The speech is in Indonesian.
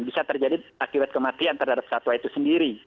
bisa terjadi akibat kematian terhadap satwa itu sendiri